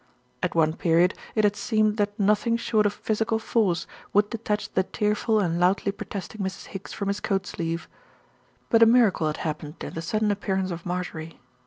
At one period it had seemed that nothing short of physical force would detach the tearful and loudly pro testing Mrs. Higgs from his coat sleeve; but a miracle had happened in the sudden appearance of Marjorie.